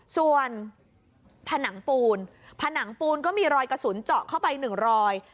ส่วนผนังปูนผนังปูนก็มีรอยกระสุนเจาะเข้าไปหนึ่งรอย